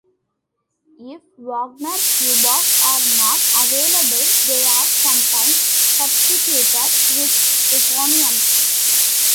If Wagner tubas are not available, they are sometimes substituted with euphoniums.